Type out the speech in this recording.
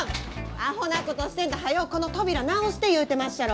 アホなことしてんとはようこの扉直して言うてまっしゃろ！